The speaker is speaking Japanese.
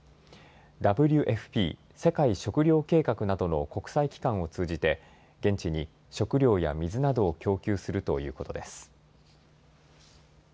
ＷＦＰ・世界食糧計画などの国際機関を通じて現地に食料や水などを供給するということです。